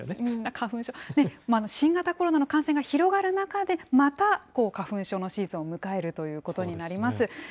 みんな、新型コロナの感染が広がる中でまた花粉症のシーズンを迎えるということになります。